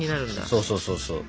そうそうそうそう。